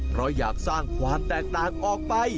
เพราะอยากสร้างความแตกต่างออกไป